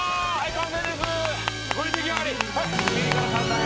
完成です。